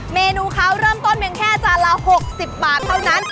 เมนูเขาเริ่มต้นเพียงแค่จานละ๖๐บาทเท่านั้น